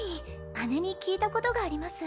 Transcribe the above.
姉に聞いたことがあります